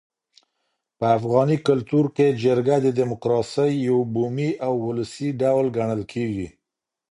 په افغاني کلتور کي جرګه د ډیموکراسۍ یو بومي او ولسي ډول ګڼل کيږي.